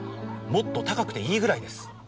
もっと高くていいぐらいです。